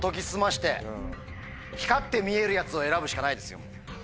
光って見えるやつを選ぶしかないですよ。